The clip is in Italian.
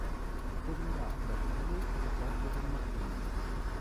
Tornerà tra le due e le quattro del mattino.